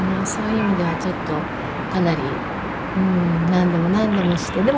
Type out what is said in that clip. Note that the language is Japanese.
そういう意味ではちょっとかなり何度も何度もして。